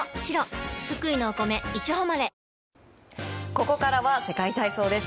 ここからは世界体操です。